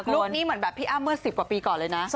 คนี้เหมือนแบบพี่อ้ำเมื่อ๑๐กว่าปีก่อนเลยนะ